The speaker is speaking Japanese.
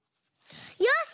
よし！